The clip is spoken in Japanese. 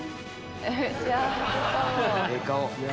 ええ顔！